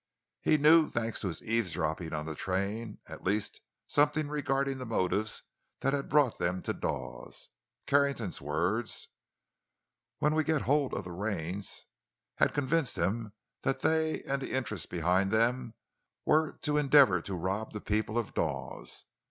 He knew, thanks to his eavesdropping on the train, at least something regarding the motives that had brought them to Dawes; Carrington's words, "When we get hold of the reins," had convinced him that they and the interests behind them were to endeavor to rob the people of Dawes.